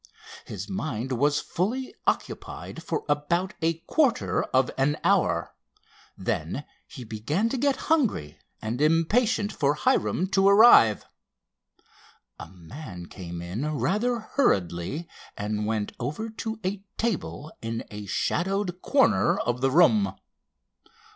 His mind was fully occupied for about a quarter of an hour. Then he began to get hungry and impatient for Hiram to arrive. A man came in rather hurriedly, and went over to a table in a shadowed corner of the room.